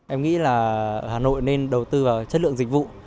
em nghĩ là hà nội nên đầu tư vào chất lượng dịch vụ